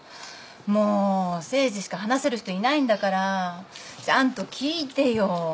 もう誠治しか話せる人いないんだからちゃんと聞いてよ。